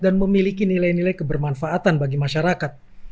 dan memiliki nilai nilai kebermanfaatan bagi masyarakat